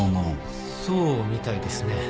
そうみたいですね。